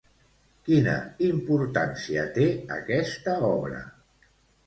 Quina importància té aquesta obra?